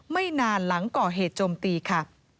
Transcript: ไม่นานหลังก่อเหตุโจมตีค่ะ